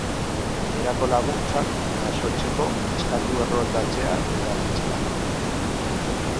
Gainerako laguntzak jasotzeko, eskatu erroldatzea udaletxean.